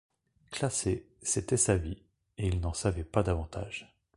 Classer, c’était sa vie, et il n’en savait pas davantage.